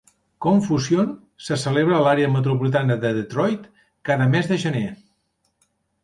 ConFusion se celebra a l'àrea metropolitana de Detroit cada mes de gener.